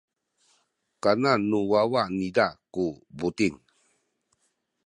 kanan nu wawa niza ku buting.